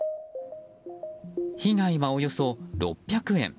被害は、およそ６００円。